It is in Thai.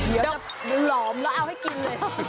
เดี๋ยวหลอมแล้วเอาให้กินเลย